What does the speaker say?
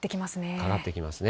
かかってきますね。